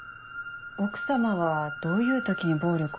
奥様はどういう時に暴力を？